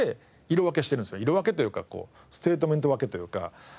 色分けというかステートメント分けというか。